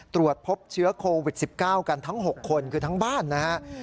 ตรวจพบเชื้อโควิด๑๙กันทั้ง๖คนคือทั้งบ้านนะครับ